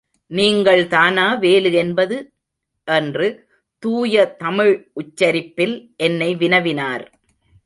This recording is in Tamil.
நீங்கள் தானா வேலு என்பது? என்று தூய தமிழ் உச்சரிப்பில், என்னை வினவினார்.